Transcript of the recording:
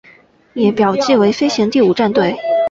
也表记为飞行第五战队。